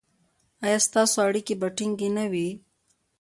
ایا ستاسو اړیکې به ټینګې نه وي؟